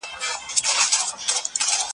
انسان باید نور هیوادونه وګوري.